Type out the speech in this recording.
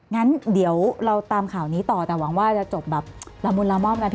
งั้นเดี๋ยวเราตามข่าวนี้ต่อแต่หวังว่าจะจบแบบละมุนละม่อมกัน